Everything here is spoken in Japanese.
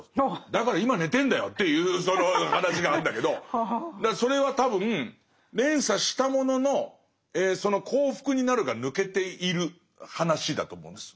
だから今寝てるんだよっていうその話があるんだけどそれは多分連鎖したもののその「幸福になる」が抜けている話だと思うんです。